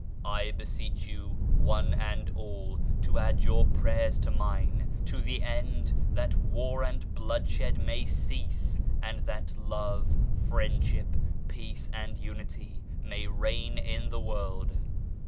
I beseech you, one and all, to add your prayers to mine to the end that war and bloodshed may cease, and that Love, Friendship, Peace and Unity may reign in the World.